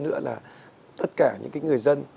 nữa là tất cả những cái người dân